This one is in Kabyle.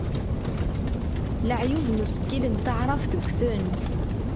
Leɛyub n usekkil n taɛrabt ggten.